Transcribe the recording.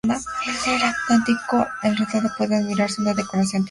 En el ático del retablo puede admirarse una decoración típicamente barroca.